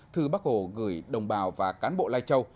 thư bắc hồ gửi đồng bào và cán bộ lai châu